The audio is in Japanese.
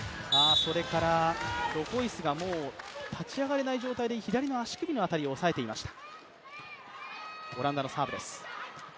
それからロホイスが立ち上がれない状態で左の足首の辺りを押さえていました。